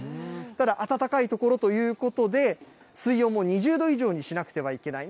ただ、暖かい所ということで、水温も２０度以上にしなくてはいけない。